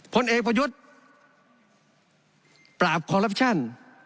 ผลเอกประยุทธ์ปราบคอลลับชั่น